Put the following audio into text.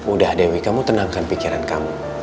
udah dewi kamu tenangkan pikiran kamu